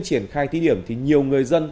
triển khai thí điểm thì nhiều người dân